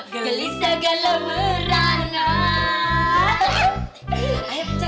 gelisah gala merana